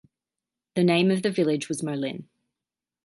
The name of the village was Molin.